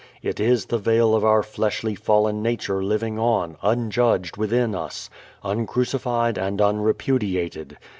It is the veil of our fleshly fallen nature living on, unjudged within us, uncrucified and unrepudiated.